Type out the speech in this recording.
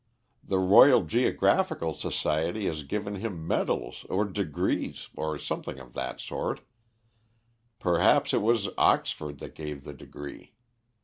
The Royal Geographical Society has given him medals or degrees, or something of that sort perhaps it was Oxford that gave the degree.